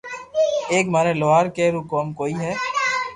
ايڪ ماري لوھارڪي رو ڪوم ڪوئي ھوئي